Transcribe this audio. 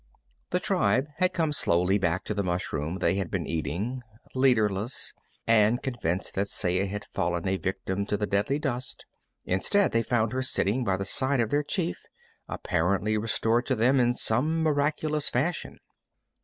The tribe had come slowly back to the mushroom they had been eating, leaderless, and convinced that Saya had fallen a victim to the deadly dust. Instead, they found her sitting by the side of their chief, apparently restored to them in some miraculous fashion.